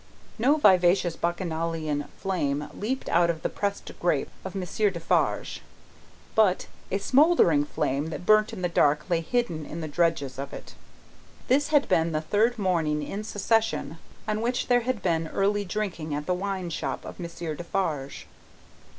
No vivacious Bacchanalian flame leaped out of the pressed grape of Monsieur Defarge: but, a smouldering fire that burnt in the dark, lay hidden in the dregs of it. This had been the third morning in succession, on which there had been early drinking at the wine shop of Monsieur Defarge.